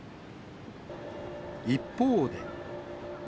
一方で。